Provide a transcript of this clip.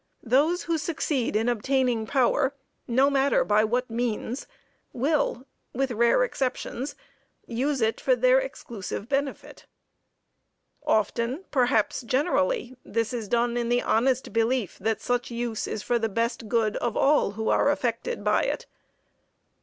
Those who succeed in obtaining power, no matter by what means, will, with rare exceptions, use it for their exclusive benefit. Often, perhaps generally, this is done in the honest belief that such use is for the best good of all who are affected by it.